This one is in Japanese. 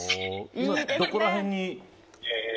今どこら辺に。